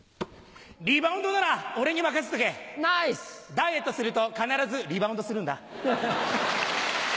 ダイエットすると必ずリバウンドするんだ。